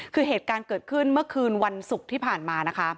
คือเหตุการณ์เกิดขึ้นเมื่อคืนวันศุกร์ที่ผ่านมานะคะ